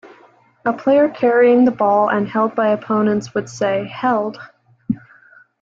A player carrying the ball and held by opponents would say, Held!